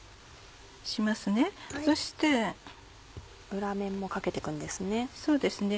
裏面もかけて行くんですね。